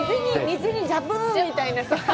水にジャブンみたいな。